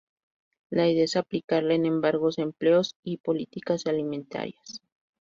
La idea es aplicarla en embargos, empleos y políticas alimentarias.